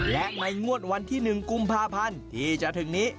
และในงวดวันที่๑กุมภาพันธ์ที่จะถึงนี้